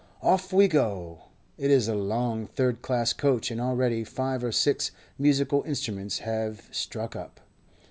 Off we go! It is a long third class coach, and already five or six musical instruments have struck up.